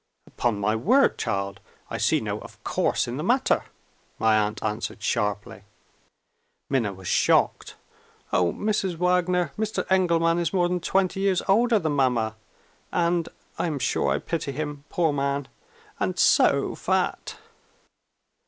"Upon my word, child, I see no 'of course' in the matter!" my aunt answered sharply. Minna was shocked. "Oh, Mrs. Wagner! Mr. Engelman is more than twenty years older than mamma and (I am sure I pity him, poor man) and so fat!"